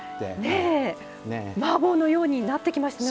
ねえマーボーのようになってきましたね